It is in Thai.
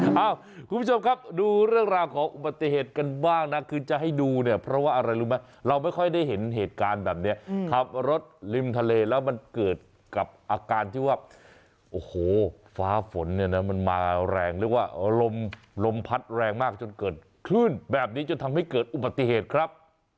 เอ้าคุณผู้ชมครับดูเรื่องราวของอุบัติเหตุกันบ้างนะคือจะให้ดูเนี่ยเพราะว่าอะไรรู้ไหมเราไม่ค่อยได้เห็นเหตุการณ์แบบนี้ขับรถริมทะเลแล้วมันเกิดกับอาการที่ว่าโอ้โหฟ้าฝนเนี่ยนะมันมาแรงเรียกว่าลมลมพัดแรงมากจนเกิดคลื่นแบบนี้จนทำให้เกิดอุบัติเหตุครับ